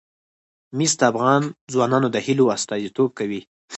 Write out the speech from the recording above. مس د افغان ځوانانو د هیلو استازیتوب کوي.